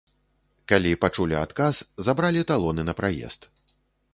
Калі пачулі адказ, забралі талоны на праезд.